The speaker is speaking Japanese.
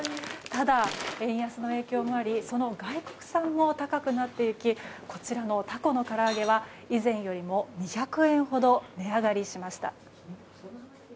ただ、円安の影響もありその外国産も高くなっていきこちらのたこの唐揚は以前よりも２００円ほど値上がりしました。